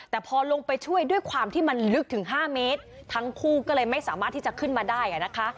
แต่พอลงไปช่วยด้วยความที่มันลึกถึงห้าเมตรทั้งคู่ก็เลยไม่สามารถที่จะขึ้นมาได้อ่ะนะคะ